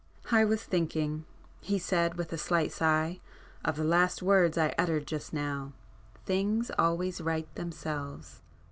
"I was thinking," he said, with a slight sigh—"of the last words I uttered just now,—things always right themselves.